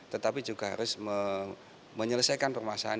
tetapi juga harus menyelesaikan permasalahan